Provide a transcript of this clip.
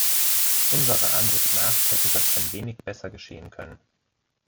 Unserer Ansicht nach hätte das ein wenig besser geschehen können.